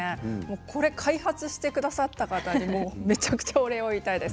これを開発してくださった方にめちゃくちゃお礼を言いたいです。